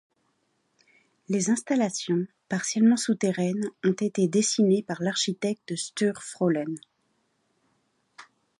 Les installations, partiellement souterraines, ont été dessinées par l'architecte Sture Frölén.